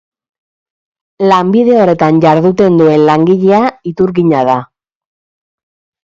Lanbide horretan jarduten duen langilea iturgina da.